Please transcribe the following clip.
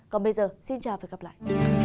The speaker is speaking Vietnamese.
còn bây giờ xin chào và gặp lại